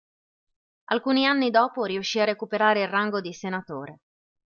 Alcuni anni dopo riuscì a recuperare il rango di senatore.